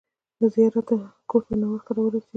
له زیارته کور ته ناوخته راورسېدو.